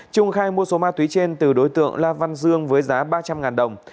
trung khai mua số ma túy trên từ đối tượng la văn dương với giá ba trăm linh đồng